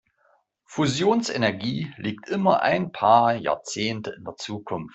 Fusionsenergie liegt immer ein paar Jahrzehnte in der Zukunft.